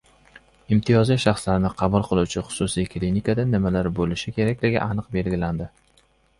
Imtiyozli shaxslarni qabul qiluvchi xususiy klinikada nimalar bo‘lishi kerakligi aniq belgilandi